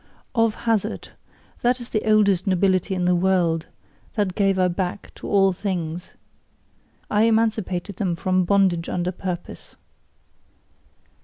"Of Hazard" that is the oldest nobility in the world; that gave I back to all things; I emancipated them from bondage under purpose.